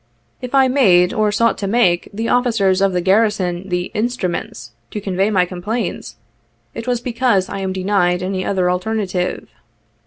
If I made, or sought to make, the officers of the garrison the 'instruments' to convey my complaints, it was because I am denied any other alternative.